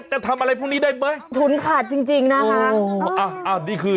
จะทำอะไรพวกนี้ได้ไหมฉุนขาดจริงจริงนะคะโอ้อ่ะอ้าวนี่คือ